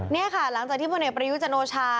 นี่ค่ะหลังจากที่พลเอกประยุจันโอชา